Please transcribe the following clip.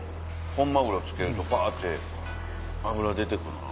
本マグロつけるとふわって脂出て来るな。